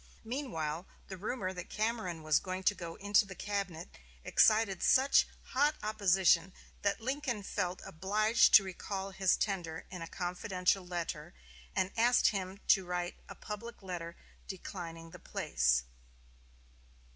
Meanwhile, the rumor that Cameron was to go into the cabinet excited such hot opposition that Lincoln felt obliged to recall his tender in a confidential letter; and asked him to write a public letter declining the place.